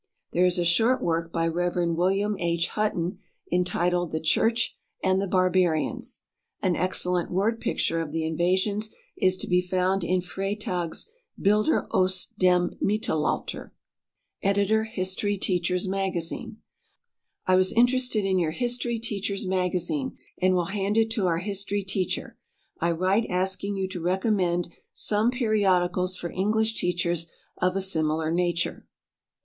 There is a short work by Rev. William H. Hutton entitled "The Church and the Barbarians." An excellent word picture of the invasions is to be found in Freytag's "Bilder aus dem Mittelalter." Editor HISTORY TEACHER'S MAGAZINE. "I was interested in your HISTORY TEACHER'S MAGAZINE and will hand it to our history teacher. I write asking you to recommend some periodicals for English teachers of a similar nature."